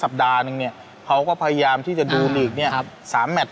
เราไม่มีพวกมันเกี่ยวกับพวกเราแต่เราไม่มีพวกมันเกี่ยวกับพวกเรา